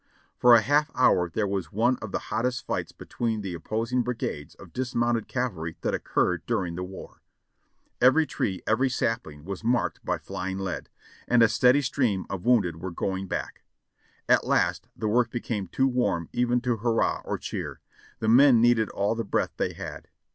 For a half hour there was one of the hottest fights between the oppos ing brigades of dismounted cavalry that occurred during the war. Every tree, every sapling was marked by the flying lead, and a steady stream of wounded were going back. At last the work became too warm even to hurrah or cheer ; the men needed all the breath they had.